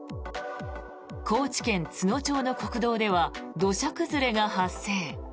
高知県津野町の国道では土砂崩れが発生。